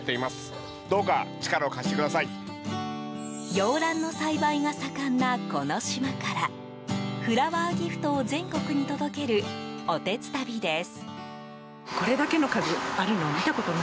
洋ランの栽培が盛んなこの島からフラワーギフトを全国に届けるおてつたびです。